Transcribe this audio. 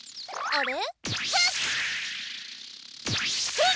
あれ？